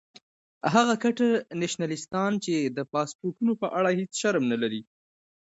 هغه کټر نیشنلستان چې د پاسپورټونو په اړه هیڅ شرم نه لري.